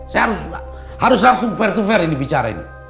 saya harus langsung fair to fair ini bicara ini